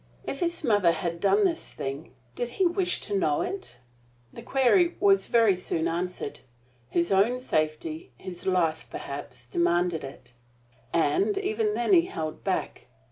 If his mother had done this thing, did he wish to know it? The query was very soon answered. His own safety his life perhaps, demanded it. And even then he held back.